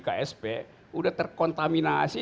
ksp sudah terkontaminasi